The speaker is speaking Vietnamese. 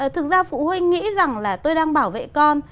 thực ra phụ huynh nghĩ rằng là tôi đang bảo vệ con